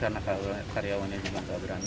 tapi karena karyawannya juga gak berani